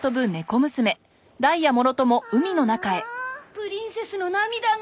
プリンセスの涙が。